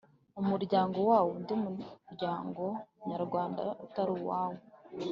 umuryango wawo undi muryango nyarwanda utari uwawo